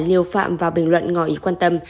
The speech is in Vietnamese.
liêu phạm vào bình luận ngò ý quan tâm